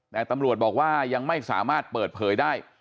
แต่ตำรวจบอกว่ายังไม่สามารถเปิดเผยได้